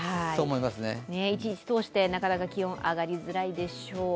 一日通してなかなか気温が上がりづらいでしょう。